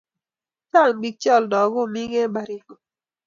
Chang pik che alda kumik en Baringo.